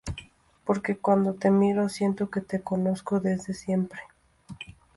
porque, cuando te miro, siento que te conozco desde siempre.